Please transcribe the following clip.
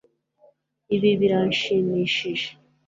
Ibi birashimishije